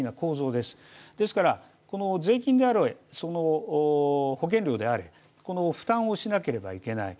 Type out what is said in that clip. ですから、税金であれ、保険料であれ負担をしなければいけない。